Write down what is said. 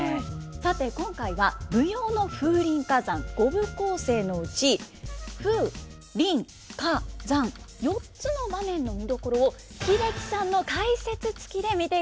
さて今回は舞踊の「風林火山」５部構成のうち「風」「林」「火」「山」４つの場面の見どころを英樹さんの解説つきで見ていきます。